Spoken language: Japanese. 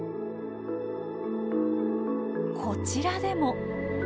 こちらでも。